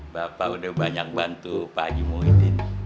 bapak udah banyak bantu pak haji muhyiddin